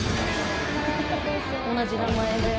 同じ名前で。